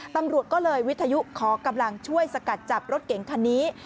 ตำรวจก็เลยวิทยุขอกำลังช่วยสกัดจับรถเก๋งคันนี้